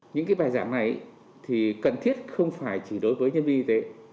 những bài giảng này thì cần thiết không phải chỉ đối với nhân viên y tế